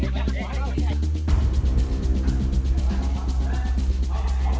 สวัสดีทุกคน